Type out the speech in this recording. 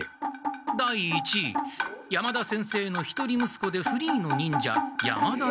第一位山田先生の一人むすこでフリーの忍者山田利吉君」。